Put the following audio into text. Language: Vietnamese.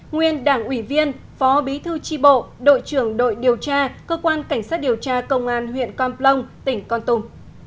nguyên đảng ủy viên phó bí thư tri bộ đội trưởng đội điều tra cơ quan cảnh sát điều tra công an huyện con plong tỉnh con tum